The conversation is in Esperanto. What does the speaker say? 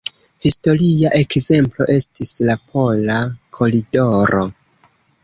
Historia ekzemplo estis la Pola koridoro,